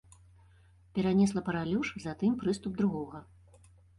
Перанесла паралюш, затым прыступ другога.